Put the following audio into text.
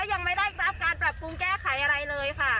ยังไม่ได้รับการปรับปรุงแก้ไขอะไรเลยค่ะ